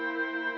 oh ini dong